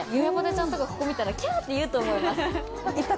ちゃんとかここ見たらキャって言うと思います。